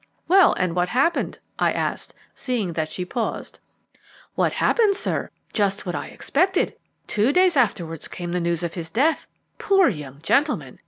"Well, and what happened?" I asked, seeing that she paused. "What happened, sir? Just what I expected. Two days afterwards came the news of his death. Poor young gentleman!